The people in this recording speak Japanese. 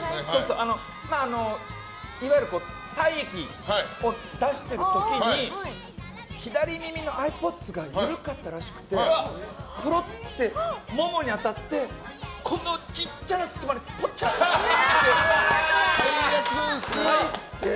いわゆる体液を出してる時に左耳のイヤホンが緩かったらしくてぽろって、ももに当たってこのちっちゃな隙間に最悪ですね。